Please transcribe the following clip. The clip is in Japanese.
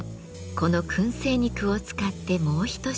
この燻製肉を使ってもう一品。